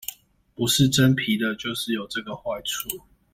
不是真皮的就是有這個壞處！